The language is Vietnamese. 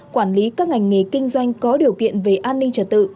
quản lý các ngành nghề kinh doanh có điều kiện về an ninh trật tự